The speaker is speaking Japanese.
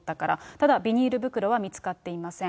ただビニール袋は見つかっていません。